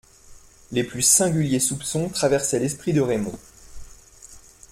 Les plus singuliers soupçons traversaient l'esprit de Raymond.